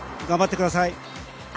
頑張ってください。